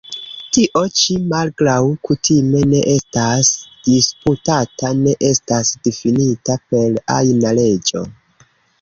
Tio ĉi, malgraŭ kutime ne estas disputata, ne estas difinita per ajna leĝo.